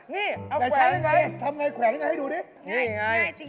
นี่เอาแขวนแต่ใช้ยังไงทำยังไงแขวนยังไงให้ดูดิ